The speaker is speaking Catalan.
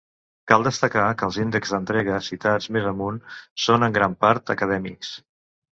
Cal destacar que els índexs d'entrega citats més amunt són en gran part acadèmics.